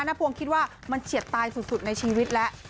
นพวงคิดว่ามันเฉียดตายสุดในชีวิตแล้ว